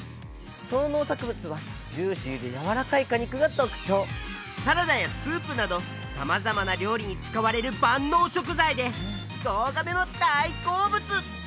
その農作物はジューシーでやわらかい果肉が特徴サラダやスープなど様々な料理に使われる万能食材でゾウガメも大好物！